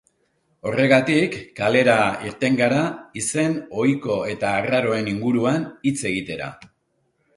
Horregatik, kalera irten gara izen ohiko eta arraroen inguruan hitz egitera.